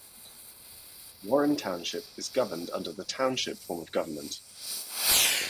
Warren Township is governed under the Township form of government.